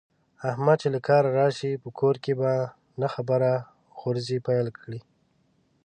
احمد چې له کاره راشي، په کور کې په نه خبره غورزی پیل کړي.